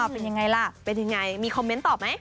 เป็นยังไงล่ะเป็นยังไงมีคอมเมนต์ตอบไหม